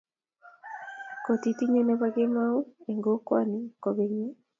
koititye nebo kemoi en kokwoni kobenyei